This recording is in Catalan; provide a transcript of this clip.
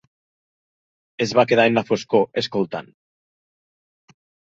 Es van quedar en la foscor escoltant.